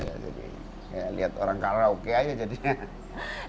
jadi kayak lihat orang kalah oke aja jadinya